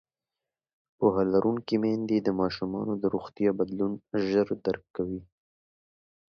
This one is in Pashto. پوهه لرونکې میندې د ماشومانو د روغتیا بدلون ژر درک کوي.